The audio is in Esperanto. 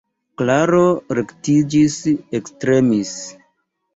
Klaro rektiĝis, ektremis.